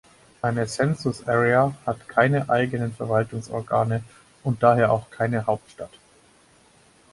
Eine "Census Area" hat keine eigenen Verwaltungsorgane und daher auch keine Hauptstadt.